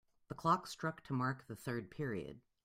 The clock struck to mark the third period.